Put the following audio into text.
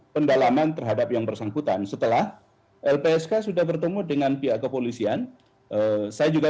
pendalaman terhadap yang bersangkutan setelah lpsk sudah bertemu dengan pihak kepolisian saya juga